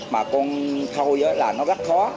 mà con thôi là nó rất khó